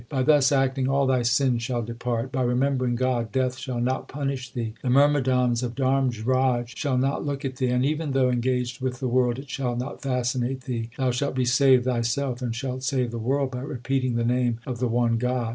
By thus acting all thy sins shall depart. By remembering God Death shall not punish thee ; The myrmidons of Dharmraj shall not look at thee ; And even though engaged with the world it shall not fascinate thee. Thou shalt be saved thyself, and shalt save the world By repeating the name of the one God.